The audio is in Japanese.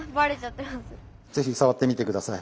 是非触ってみてください。